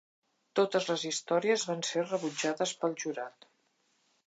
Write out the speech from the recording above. Totes les històries van ser rebutjades pel jurat.